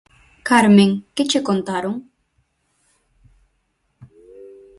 Carmen, que che contaron?